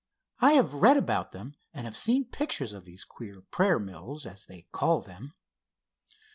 I have read about them, and have seen pictures of these queer prayer mills, as they call them."